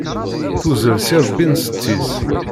Tuzzel s irebbi n setti-s.